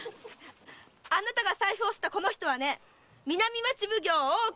あなたが財布をスッたこの人は南町奉行・大岡